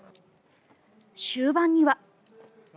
終盤には。